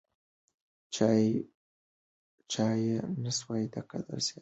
چا یې نه سوای د قدرت سیالي کولای